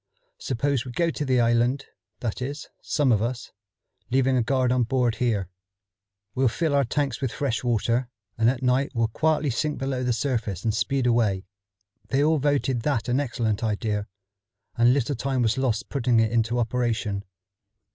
Suppose we go to the island, that is, some of us, leaving a guard on board here. We'll fill our tanks with fresh water, and at night we'll quietly sink below the surface and speed away." They all voted that an excellent idea, and little time was lost putting it into operation.